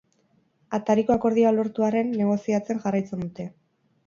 Atariko akordioa lortu arren, negoziatzen jarraitzen dute.